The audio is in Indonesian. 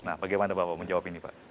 nah bagaimana bapak menjawab ini pak